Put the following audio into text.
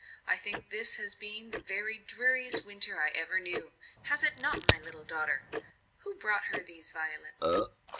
I think this has been the very dreariest winter I ever knew. Has it not, my little daughter? Who brought her these violets?"